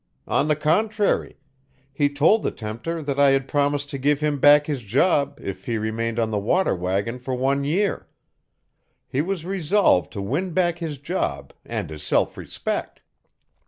On the contrary, he told the tempter that I had promised to give him back his job if he remained on the water wagon for one year; he was resolved to win back his job and his self respect."